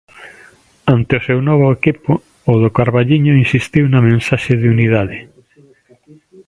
Ante o seu novo equipo, o do Carballiño insistiu na mensaxe de unidade.